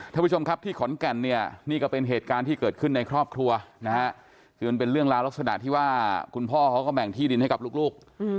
ท่านผู้ชมครับที่ขอนแก่นเนี่ยนี่ก็เป็นเหตุการณ์ที่เกิดขึ้นในครอบครัวนะฮะคือมันเป็นเรื่องราวลักษณะที่ว่าคุณพ่อเขาก็แบ่งที่ดินให้กับลูก